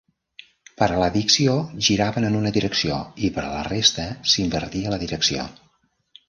Per a l'addició giraven en una direcció i per a la resta s'invertia la direcció.